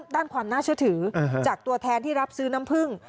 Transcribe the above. ด้านความน่าเชื่อถือจากตัวแทนที่รับซื้อน้ำผึ้ง